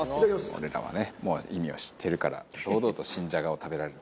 俺らはねもう意味を知ってるから堂々と新じゃがを食べられる。